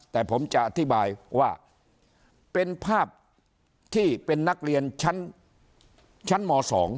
แต่ผมจะอธิบายว่าเป็นภาพที่เป็นนักเรียนชั้นม๒